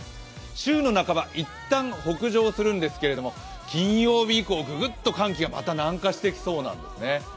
週の半ば、いったん北上するんですけど金曜日以降、ググッと寒気がまた南下してきそうなんですね。